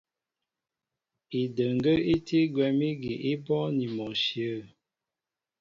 Idəŋgə́ í tí gwɛ̌m ígi í bɔ́ɔ́ŋ ni mɔ ǹshyə̂.